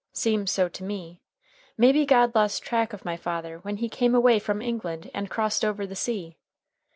Seems so to me. Maybe God lost track of my father when he come away from England and crossed over the sea.